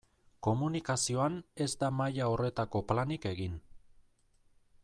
Komunikazioan ez da maila horretako planik egin.